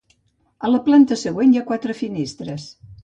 A la planta següent, hi ha quatre finestres.